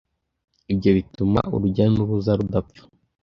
Ibyo bituma urujya n'uruza rudapfa